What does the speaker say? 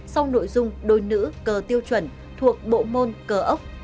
sau nội dung đôi nữ cờ tiêu chuẩn thuộc bộ môn cờ ốc